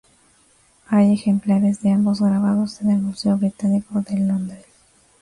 Hay ejemplares de ambos grabados en el Museo Británico de Londres.